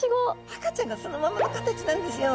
赤ちゃんがそのままの形なんですよ。